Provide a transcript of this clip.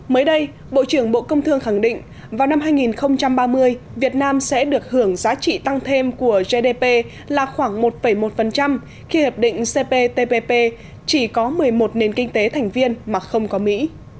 mới đây bộ trưởng bộ công thương khẳng định vào năm hai nghìn ba mươi việt nam sẽ được hưởng giá trị tăng thêm của gdp là khoảng một một khi hiệp định cptpp chỉ có một mươi một nền kinh tế thành viên mà không có mỹ